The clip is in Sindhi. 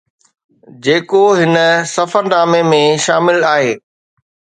جيڪو هن سفرنامي ۾ شامل آهي